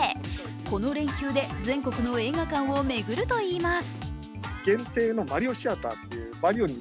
この連休で全国の映画館を巡るといいます。